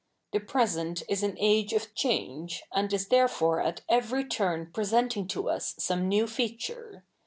The present is an age of change, and is therefore at every tur?i presenting to us some new feature.